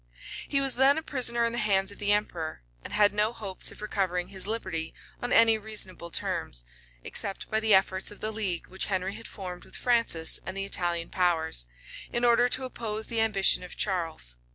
He was then a prisoner in the hands of the emperor; and had no hopes of recovering his liberty on any reasonable terms, except by the efforts of the league which Henry had formed with Francis and the Italian powers, in order to oppose the ambition of Charles.